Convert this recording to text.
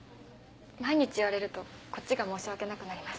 毎日言われるとこっちが申し訳なくなります。